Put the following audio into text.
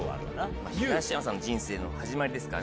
東山さんの人生の始まりですから。